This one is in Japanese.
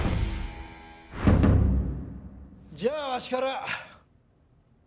じゃあわしから！